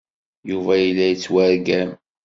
Yuba yella yettwargam.